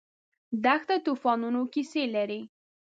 دښته د توفانونو کیسې لري.